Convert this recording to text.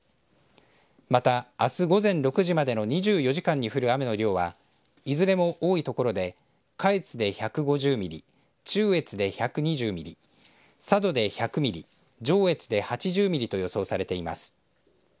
また、あす午前６時までの２４時間に降る雨の量はいずれも多い所で下越で１５０ミリ中越で１２０ミリ佐渡で１００ミリ上越で８０ミリと予想されています。